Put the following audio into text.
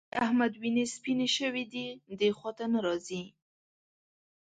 د احمد وینې سپيېنې شوې دي؛ دې خوا ته نه راځي.